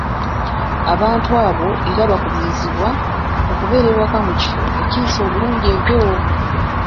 Abantu abo era bakubirizibwa okubeera ewaka mu kifo ekiyisa obulungi empewo.